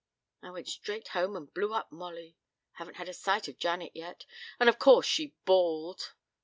... I went straight home and blew up Molly haven't had a sight of Janet yet and of course she bawled.